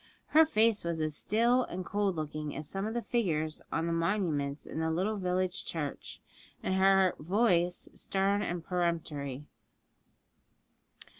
Her face was as still and cold looking as some of the figures on the monuments in the little village church, and her voice stern and peremptory.